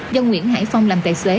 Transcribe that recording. do nguyễn hải phong làm tài xế